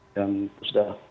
dan itu sudah